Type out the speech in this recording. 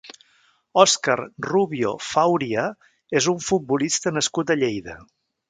Óscar Rubio Fauria és un futbolista nascut a Lleida.